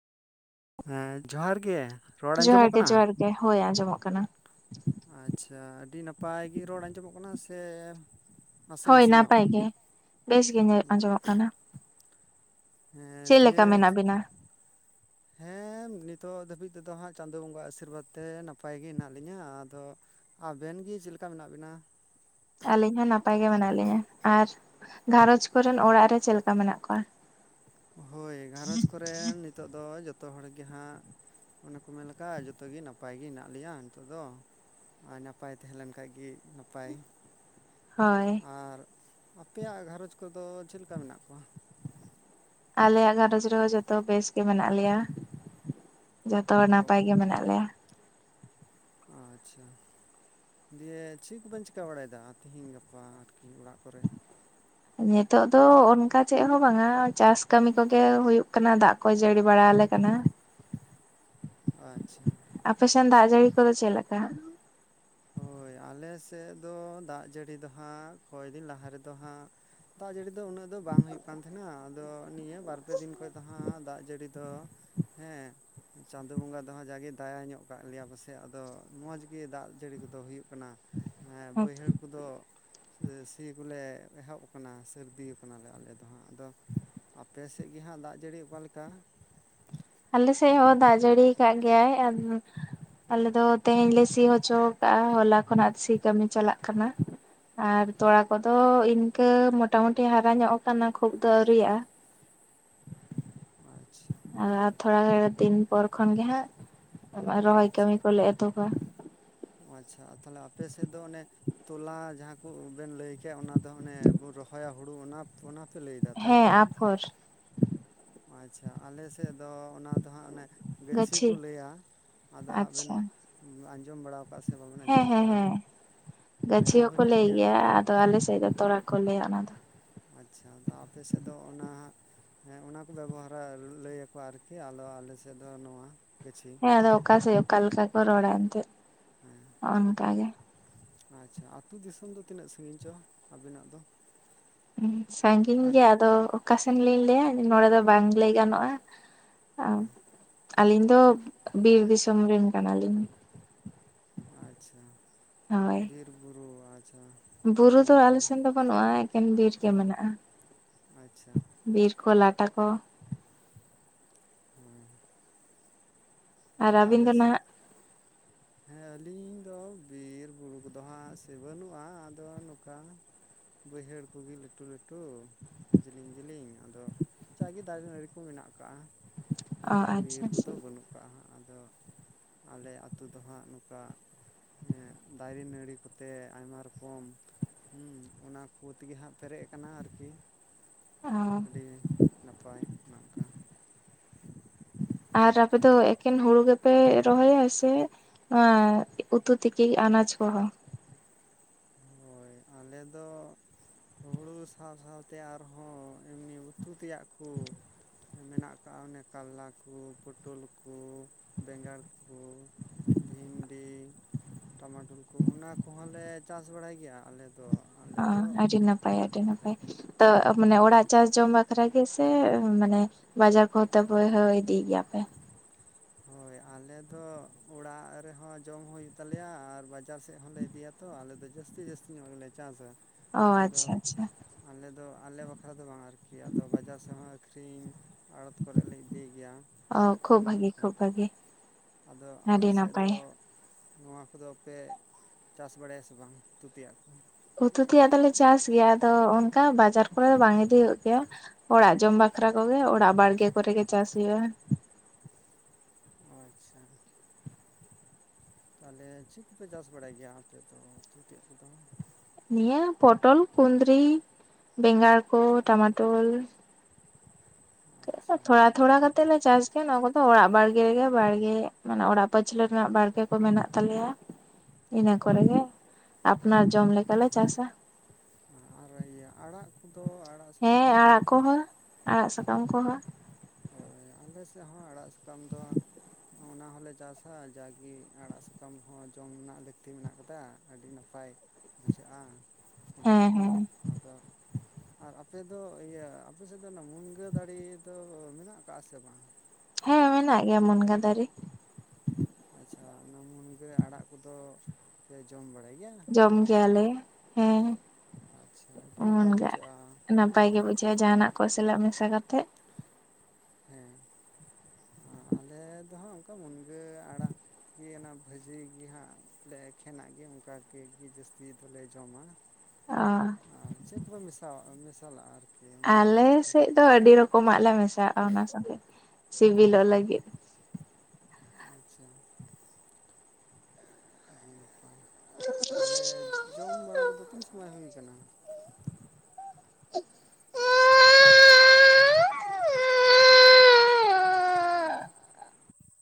ᱦᱮᱸ ᱡᱚᱦᱟᱨ ᱜᱮ ᱨᱚᱲ ᱡᱚᱦᱟᱨ ᱟᱸᱡᱚᱢᱚᱜ ᱜᱮ ᱠᱟᱱᱟ? ᱡᱚᱦᱟᱨ ᱦᱳᱭ ᱟᱸᱡᱚᱢᱚᱜ ᱠᱟᱱᱟ᱾ ᱟᱪᱷᱟ ᱟᱹᱰᱤ ᱱᱟᱯᱟᱭ ᱜᱮ ᱨᱚᱲ ᱟᱸᱡᱚᱢᱚᱜ ᱠᱟᱱᱟ ᱥᱮ ᱱᱟᱥᱮ ᱦᱳᱭ ᱱᱟᱥᱮ ᱧᱚᱜ? ᱱᱟᱯᱟᱭ ᱜᱮ ᱵᱮᱥ ᱜᱮ ᱧᱮ ᱟᱸᱡᱚᱢᱚᱜ ᱠᱟᱱᱟ᱾ ᱦᱮᱸ ᱪᱮᱫ ᱞᱮᱠᱟ ᱫᱤᱭᱮᱡ ᱢᱮᱱᱟᱜ ᱵᱤᱱᱟ ᱦᱮᱸ ᱱᱤᱛᱚᱜ ᱫᱷᱟᱹᱵᱤᱡ ᱛᱮᱫᱚ ᱦᱟᱸᱜ ᱪᱟᱸᱫᱚ ᱵᱚᱸᱜᱟ ᱟᱥᱤᱨᱵᱟᱫᱽ ᱛᱮ ᱱᱟᱯᱟᱭ ᱜᱮ ᱦᱮᱱᱟᱜ ᱞᱤᱧᱟ, ᱟᱫᱚ ᱟᱵᱮᱱ ᱜᱤ ᱪᱮ ᱞᱮᱠᱟ ᱢᱮᱱᱟᱜ ᱵᱮᱱᱟ? ᱟᱹᱞᱤᱧ ᱦᱚᱸ ᱱᱟᱯᱟᱭ ᱜᱮ ᱢᱮᱱᱟᱜ ᱞᱤᱧᱟ, ᱟᱨ ᱜᱷᱟᱨᱚᱸᱡᱽ ᱠᱚᱨᱮᱱ ᱚᱲᱟᱜ ᱨᱮ ᱪᱮᱫ ᱞᱮᱠᱟ ᱢᱮᱱᱟᱜ ᱠᱚᱣᱟ? ᱦᱳᱭ ᱜᱷᱟᱨᱚᱸᱡᱽ ᱠᱚᱨᱮ ᱱᱤᱛᱚᱜ ᱫᱚ ᱡᱚᱛᱚ ᱦᱚᱲ ᱜᱮ ᱦᱟᱸᱜ ᱚᱱᱮ ᱠᱚ ᱢᱮᱱ ᱞᱮᱠᱟ ᱡᱚᱛᱚᱜᱮ ᱱᱟᱯᱟᱭ ᱜᱮ ᱦᱮᱱᱟᱜ ᱞᱮᱭᱟ ᱱᱤᱛᱚᱜ ᱫᱚ᱾ ᱟᱨ ᱱᱟᱯᱟᱭ ᱛᱮᱦᱮᱱ ᱞᱮᱱ ᱠᱷᱟᱱ ᱜᱮ ᱱᱟᱯᱟᱭ᱾ ᱦᱳᱭ᱾ ᱟᱨ ᱟᱯᱮᱭᱟᱜ ᱜᱷᱟᱨᱚᱸᱡᱽ ᱠᱚᱨᱮᱫᱚ ᱪᱮᱫ ᱞᱮᱠᱟ ᱢᱮᱱᱟᱜ ᱠᱚᱣᱟ? ᱟᱞᱮᱭᱟᱜ ᱜᱷᱟᱸᱨᱚᱡᱽ ᱨᱮᱦᱚᱸ ᱡᱚᱛᱚ ᱵᱮᱥ ᱜᱮ ᱢᱮᱱᱟᱜ ᱞᱮᱭᱟ᱾ ᱡᱷᱚᱛᱚ ᱦᱚᱲ ᱚ ᱱᱟᱯᱟᱭ ᱜᱮ ᱢᱮᱱᱟᱜ ᱞᱮᱭᱟ᱾ ᱟᱪᱷᱟ᱾ ᱫᱤᱭᱮ ᱪᱮᱫ ᱠᱚᱵᱤᱧ ᱪᱤᱠᱟᱹ ᱵᱟᱲᱟᱭᱮᱫᱟ ᱛᱤᱦᱤᱧ ᱜᱟᱯᱟ ᱟᱨᱠᱤ ᱚᱲᱟᱜ ᱠᱚᱨᱮᱜ? ᱱᱤᱛᱚᱜ ᱫᱚ ᱚᱱᱠᱟ ᱪᱮᱫ ᱦᱚᱸ ᱵᱟᱝ-ᱟ, ᱪᱟᱥ ᱠᱟᱹᱢᱤ ᱠᱚᱜᱮ ᱦᱩᱭᱩᱜ ᱠᱟᱱᱟ ᱫᱟᱜ ᱠᱚ ᱡᱟᱹᱲᱤ ᱵᱟᱲᱟ ᱟᱞᱮ ᱠᱟᱱᱟ᱾ ᱟᱪᱷᱟ᱾ ᱟᱯᱮᱥᱮᱱ ᱫᱟᱜ ᱡᱟᱹᱲᱤ ᱠᱚᱫᱚ ᱪᱮᱫ ᱞᱮᱠᱟ? ᱦᱳᱭ ᱟᱞᱮ ᱥᱮᱫ ᱫᱚ ᱫᱟᱜ ᱡᱟᱹᱲᱤ ᱫᱚ ᱦᱟᱸᱜ ᱠᱚᱭ ᱫᱤᱱ ᱞᱟᱦᱟ ᱨᱮᱫᱚ ᱦᱟᱸᱜ ᱫᱟᱜ ᱡᱟᱹᱲᱤ ᱫᱚ ᱩᱱᱟᱹᱜ ᱫᱚ ᱵᱟᱝ ᱦᱩᱭᱩᱜ ᱠᱟᱱ ᱛᱟᱦᱮᱸᱱᱟ ᱟᱫᱚ ᱱᱤᱭᱟᱹ ᱵᱟᱨ ᱯᱮ ᱫᱤᱱ ᱠᱷᱚᱭᱜ ᱫᱚ ᱦᱟᱸᱜ ᱫᱟᱜ ᱡᱟᱹᱲᱤ ᱫᱚ ᱦᱮᱸ ᱪᱟᱸᱫᱳ ᱵᱚᱸᱜᱟ ᱫᱚᱦᱟᱸᱜ ᱡᱟᱜᱮ ᱫᱟᱭᱟ ᱧᱚᱜ ᱠᱟᱜ ᱞᱮᱭᱟ ᱯᱟᱥᱮᱡ ᱟᱫᱚ ᱢᱚᱸᱡᱽ ᱜᱮ ᱫᱟᱜ ᱡᱟᱹᱲᱤ ᱠᱚᱫᱚ ᱦᱩᱭᱩᱜ ᱠᱟᱱᱟ ᱵᱟᱹᱭᱦᱟᱹᱲ ᱫᱚ ᱥᱤ ᱠᱚᱞᱮ ᱮᱦᱚᱵ ᱠᱟᱱᱟ ᱥᱟᱹᱨᱫᱤ ᱠᱟᱱᱟᱣᱞᱮ ᱟᱞᱮ ᱫᱚ ᱦᱟᱸᱜ ᱟᱫᱚ ᱟᱯᱮ ᱥᱮᱜ ᱜᱤ ᱦᱟᱸᱜ ᱫᱟᱜ ᱡᱟᱹᱲᱤ ᱚᱠᱟᱞᱮᱠᱟ? ᱟᱞᱮ ᱥᱮᱜ ᱦᱚᱸ ᱫᱟᱜ ᱡᱟᱹᱲᱤ ᱠᱟᱜ ᱜᱮᱭᱟᱭ ᱟᱫᱚ ᱟᱞᱮ ᱫᱚ ᱛᱮᱦᱮᱧ ᱞᱮ ᱥᱤ ᱦᱚᱪᱚᱣᱠᱟᱜ-ᱟ, ᱦᱚᱞᱟ ᱠᱷᱚᱱᱟᱜ ᱥᱤ ᱠᱟᱹᱢᱤ ᱪᱟᱞᱟᱜ ᱠᱟᱱᱟ᱾ ᱟᱨ ᱛᱚᱣᱟ ᱠᱚᱫᱚ ᱤᱱᱠᱟᱹ ᱢᱚᱴᱟ ᱢᱩᱴᱤ ᱦᱟᱨᱟ ᱧᱚᱜ ᱟᱠᱟᱱᱟ ᱠᱷᱩᱵ ᱫᱚ ᱟᱹᱣᱨᱤᱭᱟᱜᱼᱟ᱾ ᱟᱪᱪᱷᱟ᱾ ᱟᱨ ᱛᱷᱚᱲᱟ ᱫᱤᱱ ᱯᱚᱨ ᱠᱷᱚᱱ ᱜᱮ ᱦᱟᱸᱜ, ᱨᱚᱦᱚᱭ ᱠᱟᱹᱢᱤ ᱠᱚᱞᱮ ᱮᱛᱷᱚᱵᱟ᱾ ᱳ ᱟᱪᱪᱷᱟ ᱛᱟᱦᱚᱞᱮ ᱟᱯᱮᱥᱮᱫ ᱫᱚ ᱚᱱᱮ ᱛᱚᱞᱟ ᱡᱟᱦᱟᱸ ᱠᱚ ᱵᱮᱱ ᱞᱟᱹᱭ ᱠᱮ ᱚᱱᱟ ᱫᱚ ᱦᱚᱱᱮ ᱵᱚᱱ ᱨᱚᱦᱚᱭᱟ ᱦᱩᱲᱩ ᱚᱱᱟ ᱚᱱᱟ ᱯᱮ ᱞᱟᱹᱭ ᱮᱫᱟ ᱛᱟᱭᱛᱚ? [unintelligible] ᱟᱪᱪᱷᱟ ᱟᱞᱮ ᱥᱮᱫ ᱫᱚ ᱚᱱᱟ ᱫᱚ ᱦᱟᱸᱜ ᱚᱱᱮ ᱜᱟᱹᱪᱷᱤ ᱠᱚ ᱞᱟᱹᱭᱟ ᱟᱫᱚ ᱦᱟᱸᱜ ᱵᱮᱱ ᱟᱪᱪᱷᱟ ᱟᱸᱡᱚᱢ ᱵᱟᱲᱟ ᱠᱟᱜ ᱥᱮ ᱵᱟᱵᱮᱱ ᱦᱮᱸ ᱟᱸᱡᱚᱢ ᱦᱮᱸ ᱠᱟᱜ-ᱟ, ᱦᱮᱸ ᱟᱸᱡᱚᱢ ᱦᱩᱭ ᱠᱟᱱ ᱜᱮᱭᱟ? ᱛᱚ ᱟᱞᱮᱥᱮᱫ ᱫᱚ ᱛᱚᱲᱟ ᱠᱚ ᱞᱟᱹᱭᱟ ᱚᱱᱟ ᱫᱚ᱾ ᱟᱪᱪᱷᱟ ᱫᱚ ᱟᱯᱮ ᱥᱮᱫ ᱫᱚ ᱚᱱᱟ ᱦᱟᱸᱜ ᱦᱮᱸ ᱚᱱᱟ ᱠᱚ ᱵᱮᱵᱚᱦᱟᱨᱟ ᱞᱟᱹᱭ ᱟᱠᱚ ᱟᱨᱠᱤ, ᱟᱞᱚ ᱟᱞᱮ ᱥᱮᱫ ᱫᱚ ᱱᱚᱣᱟ ᱜᱟᱹᱪᱷᱤ ᱦᱮᱸ ᱟᱫᱚ ᱚᱠᱟ ᱥᱮᱫ ᱚᱠᱟ ᱞᱮᱠᱟ ᱠᱚ ᱨᱚᱲᱟ ᱮᱱᱛᱮ, ᱦᱮᱸ ᱚᱱᱠᱟᱜ ᱜᱮ ᱟᱪᱪᱷᱟ ᱟᱹᱛᱩ ᱫᱤᱥᱚᱢ ᱫᱚ ᱛᱤᱱᱟᱹᱜ ᱥᱟᱺᱜᱤᱧ ᱪᱚ ᱟᱵᱤᱱᱟᱜ ᱫᱚ? ᱥᱟᱺᱜᱤᱧ ᱟᱨ ᱜᱮᱭᱟ ᱟᱫᱚ ᱚᱠᱟ ᱥᱮᱱ ᱞᱤᱧ ᱞᱟᱹᱭᱟ ᱱᱚᱰᱮ ᱫᱚ ᱵᱟᱝ ᱞᱟᱹᱭ ᱜᱟᱱᱚᱜᱼᱟ᱾ ᱟᱸ ᱦᱳᱭ ᱟᱹᱞᱤᱧ ᱫᱚ ᱵᱤᱨ ᱫᱤᱥᱚᱢ ᱨᱤᱱ ᱠᱟᱱᱟᱞᱤᱧ᱾ ᱟᱪᱪᱷᱟ ᱦᱳᱭ ᱵᱤᱨ ᱵᱩᱨᱩ ᱟᱪᱷᱟ᱾ ᱵᱩᱨᱩ ᱫᱚ ᱟᱞᱮ ᱥᱮᱱ ᱫᱚ ᱵᱟᱹᱱᱩᱜᱼᱟ ᱮᱠᱮᱱ ᱵᱤᱨ ᱚ ᱜᱮ ᱢᱮᱱᱟᱜᱼᱟ᱾ ᱟᱪᱪᱷᱟ ᱵᱤᱨ ᱠᱚ ᱞᱟᱴᱟ ᱠᱚ, [inaudible] ᱟᱨ ᱦᱳᱭ ᱟᱹᱵᱤᱱ ᱟᱞᱮ ᱫᱚ ᱥᱮᱫ ᱱᱟᱸᱦᱟᱜ ᱦᱮᱸ ᱟᱹᱞᱤᱧ ᱫᱚ ᱵᱤᱨᱵᱩᱨᱩ ᱠᱚᱫᱚ ᱦᱟᱸᱜ ᱥᱮ ᱵᱟᱹᱱᱩᱜᱼᱟ ᱟᱫᱚ ᱱᱚᱠᱟ ᱵᱟᱹᱭᱦᱟᱹᱲ ᱠᱚᱜᱮ ᱞᱟᱹᱴᱩ ᱞᱟᱹᱴᱩ, ᱡᱤᱞᱤᱝ ᱡᱤᱞᱤᱝ ᱟᱫᱚ ᱪᱟᱭ ᱜᱮ ᱫᱟᱨᱮ ᱱᱟᱹᱲᱤ ᱠᱚ ᱢᱮᱱᱟᱜ ᱟᱠᱟᱜᱼᱟ ᱚ ᱚᱱᱠᱟ ᱵᱤᱨ ᱟᱪᱪᱷᱟ ᱠᱚᱫᱚ ᱟᱪᱪᱷᱟ ᱵᱟᱹᱱᱩᱜ ᱠᱟᱜ ᱦᱟᱸᱜ ᱟᱫᱚ ᱟᱞᱮ ᱟᱛᱩ ᱫᱚ ᱦᱟᱸᱜ ᱱᱚᱠᱟ ᱮᱸ ᱫᱟᱨᱮ ᱱᱟᱹᱲᱤ ᱠᱚᱛᱮ ᱟᱭᱢᱟ ᱨᱚᱠᱚᱢ ᱦᱩᱸ ᱚᱱᱟ ᱠᱚ ᱛᱮᱜᱮ ᱦᱟᱸᱜ ᱯᱮᱨᱮᱡ ᱟᱠᱟᱱᱟ ᱟᱨᱠᱤ ᱚ ᱟᱹᱰᱤ ᱱᱟᱯᱟᱭ ᱱᱚᱝᱠᱟ ᱟᱨ ᱟᱯᱮ ᱫᱚ ᱮᱠᱷᱮᱱ ᱦᱩᱲᱩ ᱜᱮᱯᱮ ᱨᱚᱦᱚᱭᱟ ᱥᱮ [inaudible] ᱩᱛᱩ ᱛᱤᱠᱤ ᱟᱱᱟᱡ ᱠᱚᱦᱚᱸ ᱦᱳᱭ ᱟᱞᱮ ᱫᱚ ᱦᱩᱲᱩ ᱥᱟᱶ ᱥᱟᱶᱛᱮ ᱟᱨᱦᱚᱸ ᱮᱢᱱᱤ ᱩᱛᱩ ᱛᱮᱭᱟᱜ ᱠᱩ ᱢᱮᱱᱟᱜ ᱠᱟᱜ ᱚᱱᱮ ᱠᱟᱨᱞᱟ ᱠᱚ ᱯᱚᱴᱚᱞ ᱠᱚ ᱵᱮᱸᱜᱟᱲ ᱠᱚ ᱵᱷᱤᱱᱰᱤ ᱴᱟᱢᱟᱴᱳᱞ ᱠᱚ ᱚᱱᱟ ᱠᱚᱦᱚᱸᱞᱮ ᱪᱟᱥ ᱵᱟᱲᱟᱭ ᱜᱮᱭᱟ ᱟᱞᱮᱫᱚ ᱟᱸ ᱟᱹᱰᱤ ᱱᱟᱯᱟᱭ ᱟᱹᱰᱤ ᱱᱟᱯᱟᱭ ᱛᱚ ᱢᱟᱱᱮ ᱚᱲᱟᱜ ᱪᱟᱥ ᱡᱚᱢ ᱵᱟᱠᱷᱨᱟ ᱜᱮ ᱥᱮ ᱢᱟᱱᱮ ᱵᱟᱡᱟᱨ ᱠᱚᱛᱮ ᱵᱚᱭᱦᱟᱹ ᱤᱫᱤ ᱜᱮᱭᱟ ᱯᱮ [unintelligible] ᱦᱳᱭ ᱟᱞᱮ ᱫᱚ ᱚᱲᱟᱜ ᱨᱮᱦᱚᱸ ᱡᱚᱢ ᱦᱩᱭᱩᱜ ᱛᱟᱞᱮᱭᱟ ᱟᱨ ᱵᱟᱡᱟᱨ ᱥᱮᱫ ᱦᱚᱸᱞᱮ ᱤᱫᱤᱭᱟ ᱛᱚ ᱟᱞᱮᱫ ᱫᱚ ᱡᱟᱹᱥᱛᱤ ᱡᱟᱹᱥᱛᱤ ᱧᱚᱜ ᱜᱮᱞᱮ ᱪᱟᱥᱟ ᱚ ᱟᱫᱚ ᱟᱪᱪᱷᱟ ᱟᱪᱪᱷᱟ ᱟᱞᱮ ᱫᱚ ᱟᱞᱮ ᱵᱟᱠᱷᱨᱟ ᱫᱚ ᱵᱟᱝ ᱟᱨᱠᱤ ᱟᱫᱚ ᱵᱟᱡᱟᱨ ᱥᱮ ᱦᱚᱸ ᱟᱠᱠᱷᱨᱤᱧ ᱟᱲᱚᱛ ᱠᱚᱨᱮᱞᱮ ᱤᱫᱤ ᱜᱮᱭᱟ ᱚ ᱠᱷᱩᱵ ᱚᱱᱮ ᱵᱷᱟᱹᱜᱤ ᱚᱱᱠᱟ ᱠᱷᱩᱵ ᱵᱷᱟᱹᱜᱤ ᱟᱫᱚ ᱟᱹᱰᱤ ᱟᱯᱮ ᱥᱮᱫ ᱱᱟᱯᱟᱭ ᱫᱚ ᱱᱚᱣᱟ ᱠᱚᱫᱚ ᱯᱮ ᱪᱟᱥ ᱵᱟᱲᱟᱭᱟ ᱥᱮ ᱵᱟᱝ ᱩᱛᱩ ᱛᱮᱭᱟᱜ ᱠᱚ ᱩᱛᱩ ᱛᱮᱭᱟᱜ ᱫᱚᱞᱮ ᱪᱟᱥ ᱜᱮᱭᱟ ᱟᱫᱚ ᱚᱱᱠᱟ ᱵᱟᱡᱟᱨ ᱠᱚᱨᱮ ᱵᱟᱝ ᱤᱫᱤ ᱦᱩᱭᱩᱜ ᱜᱮᱭᱟ ᱚᱲᱟᱜ ᱡᱚᱢ ᱵᱟᱠᱷᱨᱟ ᱠᱚᱜᱮ ᱚᱲᱟᱜ ᱵᱟᱲᱜᱮ ᱠᱚᱨᱮ ᱜᱮ ᱪᱟᱥ ᱦᱩᱭᱩᱜᱼᱟ ᱳ ᱟᱪᱪᱷᱟ ᱛᱟᱦᱚᱞᱮ ᱪᱮᱫ ᱠᱚᱯᱮ ᱪᱟᱥ ᱵᱟᱲᱟᱭ ᱜᱮᱭᱟ ᱟᱯᱮ ᱫᱚ ᱩᱛᱩ ᱛᱮᱭᱟᱜ ᱠᱚᱫᱚ ᱱᱤᱭᱟᱹ ᱯᱚᱴᱚᱞ ᱠᱩᱸᱫᱽᱨᱤ ᱵᱮᱸᱜᱟᱲ ᱠᱚ ᱴᱟᱢᱟᱴᱳᱞᱼᱼ ᱚ ᱟᱪᱪᱷᱟ [inaudible] ᱛᱷᱚᱲᱟ ᱚ ᱛᱷᱚᱲᱟ ᱠᱟᱛᱮᱜ ᱞᱮ ᱪᱟᱥᱼᱼ ᱦᱮᱸ ᱱᱚᱣᱟ ᱠᱚᱫᱚ ᱚᱲᱟᱜ ᱵᱟᱲᱜᱮ ᱨᱮᱜᱮ ᱵᱟᱲᱜᱮᱜ ᱢᱟᱱᱮ ᱚᱲᱟᱜ ᱯᱟᱹᱪᱷᱞᱟᱹ ᱨᱮᱱᱟᱜ ᱵᱟᱲᱜᱮ ᱠᱚ ᱢᱮᱱᱟᱜ ᱛᱟᱞᱮᱭᱟ᱾ ᱤᱱᱟᱹ ᱠᱚᱨᱮ ᱜᱮ ᱟᱯᱱᱟᱨ ᱡᱚᱢ ᱞᱮᱠᱟ ᱞᱮ ᱪᱟᱥᱟ᱾ ᱟᱨ ᱤᱭᱟᱹ ᱟᱲᱟᱜ ᱠᱩᱫᱚ ᱟᱲᱟᱜᱼᱼ ᱦᱮᱸ ᱟᱲᱟᱜ ᱠᱚᱦᱚᱸ ᱟᱲᱟᱜ ᱥᱟᱠᱟᱢ ᱠᱚᱦᱚᱸ᱾ ᱦᱚᱭ ᱟᱞᱮ ᱥᱮᱜ ᱦᱚᱸ ᱟᱲᱟᱜ ᱥᱟᱠᱟᱢ ᱫᱚᱼᱼ ᱦᱚᱸ ᱚᱱᱟ ᱦᱚᱞᱮ ᱪᱟᱥᱟ ᱡᱟᱜᱤ ᱟᱲᱟᱜ ᱥᱟᱠᱟᱢ ᱦᱚᱸ ᱡᱚᱢ ᱨᱮᱱᱟᱜ ᱞᱟᱹᱠᱛᱤ ᱢᱮᱱᱟᱜ ᱟᱠᱟᱫᱟ ᱟᱹᱰᱤ ᱱᱟᱯᱟᱭᱼᱼ ᱵᱩᱡᱷᱟᱹᱜ-ᱟ ᱚᱱᱟ ᱦᱮᱸ ᱠᱚᱦᱚᱸ᱾ ᱦᱮᱸ ᱟᱫᱚ ᱟᱨ ᱟᱯᱮᱫᱚ ᱤᱭᱟᱹ ᱟᱯᱮᱥᱮᱫ ᱫᱚ ᱚᱱᱟ ᱢᱩᱱᱜᱟᱹ ᱫᱟᱲᱮ ᱫᱚ ᱢᱮᱱᱟᱜ ᱟᱠᱟᱜ-ᱟ ᱥᱮ ᱵᱟᱝ ᱦᱮᱸ ᱢᱮᱱᱟᱜ ᱜᱮᱭᱟ ᱢᱩᱱᱜᱟᱹ ᱫᱟᱨᱤ᱾ ᱟᱪᱪᱷᱟ ᱚᱱᱟ ᱢᱩᱱᱜᱟᱹ ᱟᱲᱟᱜ ᱠᱩᱫᱚ᱾ ᱯᱮ ᱡᱚᱢ ᱵᱟᱲᱟᱭ ᱜᱮᱭᱟ ᱡᱚᱢ ᱥᱮ? ᱜᱮᱭᱟᱞᱮ ᱦᱮᱸ ᱟᱪᱪᱷᱟ ᱟᱹᱰᱤ ᱱᱟᱯᱟᱭ ᱢᱩᱱᱜᱟ ᱵᱩᱡᱷᱟᱹᱜ-ᱟ, ᱱᱟᱯᱟᱭ ᱦᱚᱭ᱾ ᱜᱮ ᱵᱩᱡᱷᱟᱹᱜᱼᱟ ᱡᱟᱦᱟᱱᱟᱜ ᱠᱚ ᱥᱟᱞᱟᱜ ᱢᱮᱥᱟ ᱠᱟᱛᱮᱜᱼᱼ ᱦᱮᱸ ᱟᱸ ᱟᱞᱮ ᱫᱚ ᱦᱟᱸ ᱜ ᱚᱱᱠᱟ ᱢᱩᱱᱜᱟᱹ ᱟᱲᱟᱜᱼᱼ ᱜᱮ ᱚᱱᱟ ᱵᱷᱟᱹᱡᱤ ᱜᱮ ᱦᱟᱸᱜ ᱞᱮ ᱮᱠᱷᱮᱱᱟᱜ ᱜᱮ ᱚᱱᱠᱟ ᱜᱮ ᱡᱟᱹᱥᱛᱤ ᱫᱚᱞᱮ ᱡᱚᱢᱟ᱾ ᱚᱻ᱾ ᱟᱨ ᱪᱮᱜ ᱠᱚᱯᱮ ᱢᱮᱥᱟᱣᱟᱜ ᱢᱮᱥᱟᱞᱟᱜ-ᱟ ᱟᱨᱼ ᱟᱞᱮ ᱥᱮᱜ ᱫᱚ ᱟᱹᱰᱤ ᱨᱚᱠᱚᱢᱟᱜ ᱞᱮ ᱢᱮᱥᱟᱣᱟᱜ-ᱟ ᱚᱱᱟ ᱥᱚᱞᱮᱜ ᱥᱤᱵᱤᱞᱚᱜ ᱞᱟᱹᱜᱤᱫ᱾ ᱟᱪᱪᱷᱟ᱾ ᱟᱹᱰᱤ ᱱᱟᱯᱟᱭ ᱛᱟᱦᱚᱞᱮ ᱡᱚᱢ ᱵᱟᱲᱟ ᱠᱚᱫᱚ ᱛᱤᱱ ᱥᱚᱢᱚᱭ ᱦᱩᱭ ᱠᱟᱱᱟ?